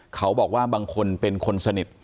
เขาบอกว่าบางคนเป็นคนสนิท